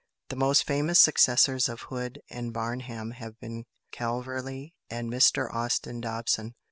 The most famous successors of Hood and Barham have been Calverley and Mr Austin Dobson.